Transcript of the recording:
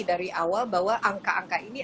dari awal bahwa angka angka ini